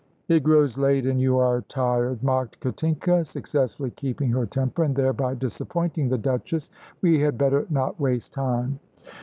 "It grows late and you are tired," mocked Katinka, successfully keeping her temper, and thereby disappointing the Duchess; "we had better not waste time."